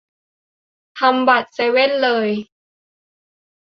ทำบัตรเซเว่นเลย